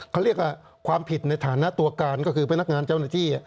เขาเรียกว่าความผิดในฐานะตัวการก็คือพนักงานเจ้าหน้าที่